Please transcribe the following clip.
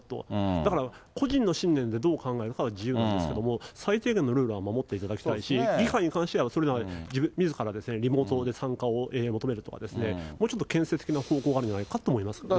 だから個人の信念でどう考えるかは自由なんですけど、最低限のルールは守っていただきたいし、議会に関してはそれならみずからリモートで参加を求めるとかですね、もうちょっと建設的な方法があるんじゃないかと思いますね。